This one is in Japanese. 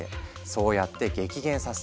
そうやって激減させ